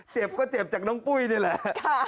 เจ็บก็เจ็บจากน้องปุ้ยนี่แหละ